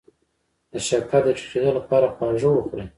د شکر د ټیټیدو لپاره خواږه وخورئ